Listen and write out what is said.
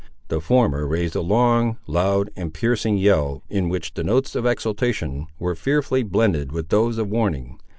The former raised a long, loud, and piercing yell, in which the notes of exultation were fearfully blended with those of warning.